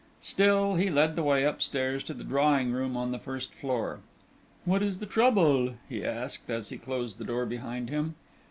Still, he led the way upstairs to the drawing room on the first floor. "What is the trouble?" he asked, as he closed the door behind him.